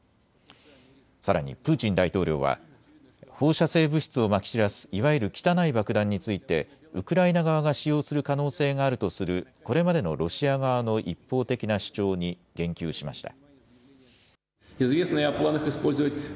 さらにプーチン大統領は放射性物質をまき散らすいわゆる汚い爆弾についてウクライナ側が使用する可能性があるとするこれまでのロシア側の一方的な主張に言及しました。